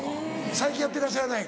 最近やってらっしゃらない？